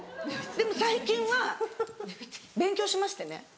でも最近は勉強しましてね。